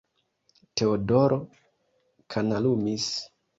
Teodoro kanalumis.